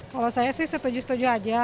kalau saya sih setuju setuju aja